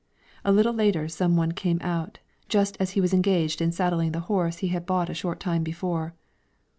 A little later, some one came out to him, just as he was engaged in saddling the horse he had bought a short time before.